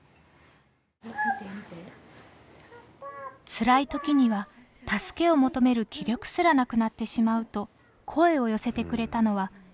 つらい時には助けを求める気力すらなくなってしまうと声を寄せてくれたのはひなぷしゅさんです。